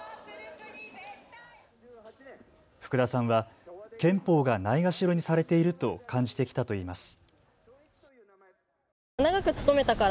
福田さんは憲法がないがしろにされていると感じてきたといいます。